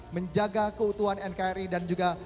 menjaga keutuhan nkri dan juga